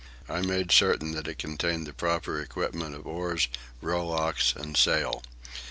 I made certain that it contained the proper equipment of oars, rowlocks, and sail.